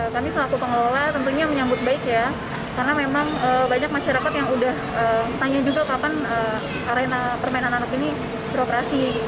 kami selaku pengelola tentunya menyambut baik ya karena memang banyak masyarakat yang udah tanya juga kapan arena permainan anak ini beroperasi